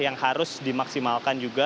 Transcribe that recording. yang harus dimaksimalkan juga